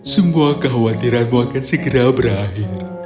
semua kekhawatiranmu akan segera berakhir